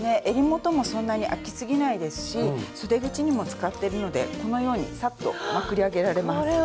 えり元もそんなに開きすぎないですしそで口にも使ってるのでこのようにサッとまくり上げられます。